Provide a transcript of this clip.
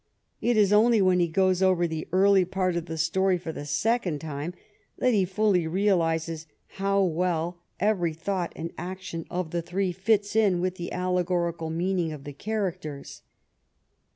It is only when he goes over the early part of the story for the second time that he fully realizes how well every thought and action of the three fits in with the alle gorical meaning of the characters.